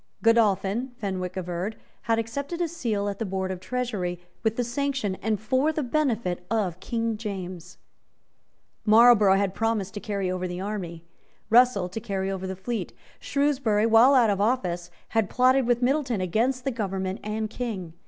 Godolphin, Fenwick averred, had accepted a seat at the Board of Treasury, with the sanction and for the benefit of King James. Marlborough had promised to carry over the army, Russell to carry over the fleet. Shrewsbury, while out of office, had plotted with Middleton against the government and King.